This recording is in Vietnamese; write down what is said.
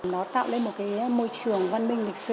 nó tạo nên một cái môi trường văn minh lịch sự